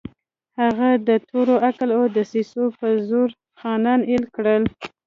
هغه د تورې، عقل او دسیسو په زور خانان اېل کړل.